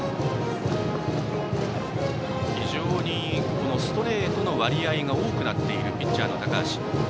非常にストレートの割合が多くなっているピッチャーの高橋。